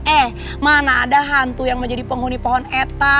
eh mana ada hantu yang menjadi penghuni pohon eta